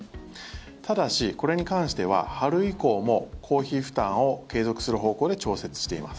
ただし、これに関しては春以降も公費負担を継続する方向で調節しています。